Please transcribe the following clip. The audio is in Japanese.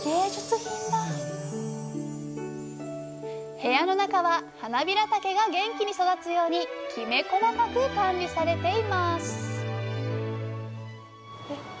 部屋の中ははなびらたけが元気に育つようにきめ細かく管理されています